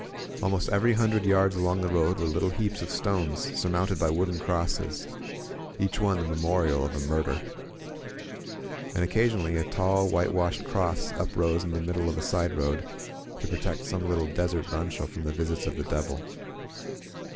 ... Almost every hundred yards along the road were lit tle heaps of stones, surmounted by wooden crosses, — each one the memorial of a murder. And occasionally a tall, whitewashed cross uprose in the middle of a side road, to protect some little desert rancho from the visits of the devil.